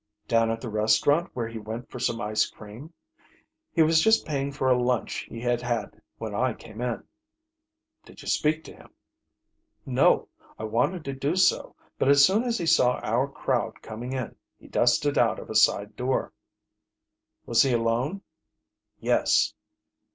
"Down at the restaurant where he went for some ice cream. He was just paying for a lunch he had had when I came in." "Did you speak to him?" "No; I wanted to do so, but as soon as he saw our crowd coming in he dusted out of a side door." "Was he alone?" "Yes."